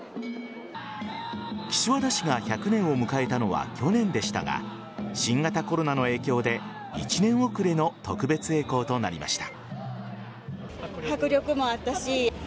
岸和田市が１００年を迎えたのは去年でしたが新型コロナの影響で１年遅れの特別えい行となりました。